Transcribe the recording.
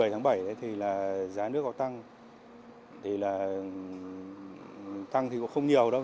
một mươi tháng bảy thì là giá nước có tăng thì là tăng thì cũng không nhiều đâu